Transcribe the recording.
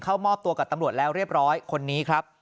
เข้ามอบตัวกับตำรวจแล้วเรียบร้อยคนนี้ครับ